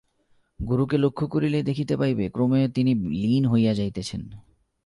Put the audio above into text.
গুরুকে লক্ষ্য করিলে দেখিতে পাইবে, ক্রমে তিনি লীন হইয়া যাইতেছেন।